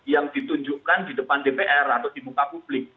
yang ditunjukkan di depan dpr atau di muka publik